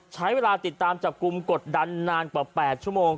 ใช้เวลาติดตามจับกลุ่มกดดันนานกว่า๘ชั่วโมง